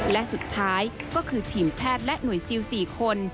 และสุดท้ายก็คือทีมแพทย์และหน่วยซิล๔คน